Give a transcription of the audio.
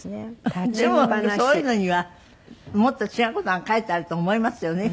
でもそういうのにはもっと違う事が書いてあると思いますよね